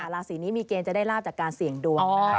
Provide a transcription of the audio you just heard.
ราศีนี้มีเกณฑ์จะได้ลาบจากการเสี่ยงดวง